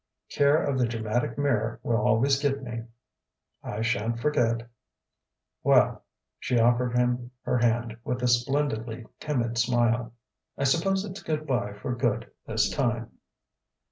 "Care of The Dramatic Mirror will always get me." "I shan't forget." "Well...." She offered him her hand with a splendidly timid smile. "I suppose it's good bye for good this time."